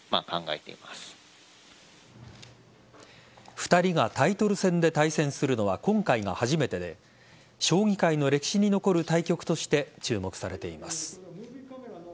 ２人がタイトル戦で対戦するのは今回が初めてで将棋界の歴史に残る対局として注目されています。